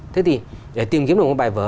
thế thì để tìm kiếm được một bài vở